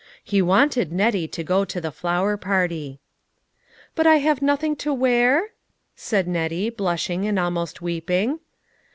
He wanted Nettie to go to the flower party. "But I have nothing to wear?" said Nettie, blushing, and almost weeping.